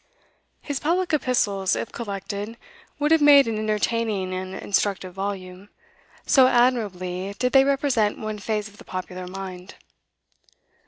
His public epistles, if collected, would have made an entertaining and instructive volume, so admirably did they represent one phase of the popular mind.